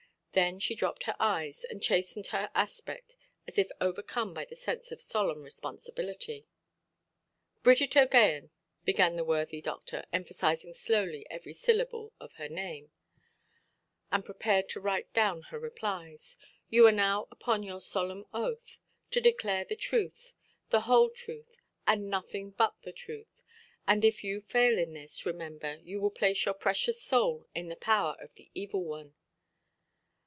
Then she dropped her eyes, and chastened her aspect, as if overcome by the sense of solemn responsibility. "Bridget OʼGeoghegan", began the worthy doctor, emphasising slowly every syllable of her name, and prepared to write down her replies, "you are now upon your solemn oath, to declare the truth, the whole truth, and nothing but the truth. And if you fail in this, remember, you will place your precious soul in the power of the evil one".